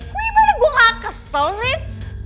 gimana gue gak kesel rin